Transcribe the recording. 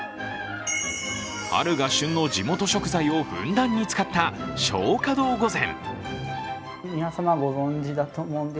春が旬の地元食材をふんだんに使った松花堂御膳。